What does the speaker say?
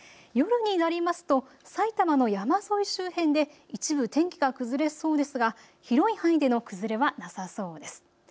夜になりますとさいたまの山沿い周辺で一部、天気が崩れそうですが広い範囲での崩れはなさそうです。